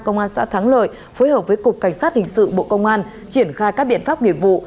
công an xã thắng lợi phối hợp với cục cảnh sát hình sự bộ công an triển khai các biện pháp nghiệp vụ